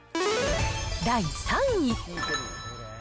第３位。